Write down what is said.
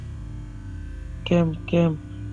ক্যাম, ক্যাম।